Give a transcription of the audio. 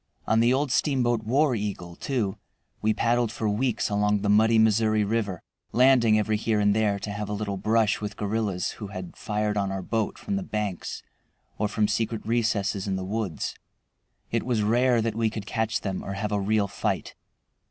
On the old steamboat War Eagle, too, we paddled for weeks along the "Muddy Missouri" River, landing every here and there to have a little brush with guerrillas who had fired on our boat from the banks or from secret recesses in the woods. It was rare that we could catch them or have a real fight.